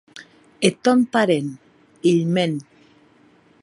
Eth tòn parent, hilh mèn.